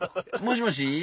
もしもし。